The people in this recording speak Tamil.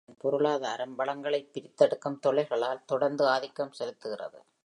அதன் பொருளாதாரம் வளங்களை பிரித்தெடுக்கும் தொழில்களால் தொடர்ந்து ஆதிக்கம் செலுத்துகிறது.